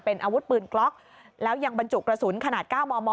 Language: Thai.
เป็นอาวุธปืนกล็อกแล้วยังบรรจุกระสุนขนาด๙มม